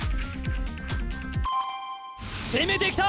攻めてきた！